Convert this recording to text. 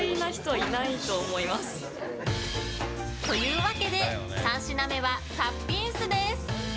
というわけで、３品目はパッピンスです。